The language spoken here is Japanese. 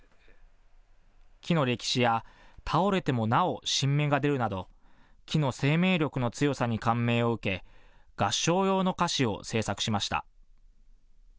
木の歴史や倒れてもなお新芽が出るなど木の生命力の強さに感銘を受け合唱用の歌詞を制作しました。